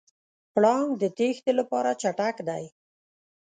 پړانګ د تېښتې لپاره چټک دی.